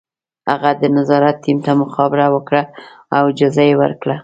هغه د نظارت ټیم ته مخابره وکړه او اجازه یې ورکړه